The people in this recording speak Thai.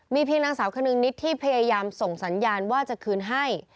เพียงนางสาวคนนึงนิดที่พยายามส่งสัญญาณว่าจะคืนให้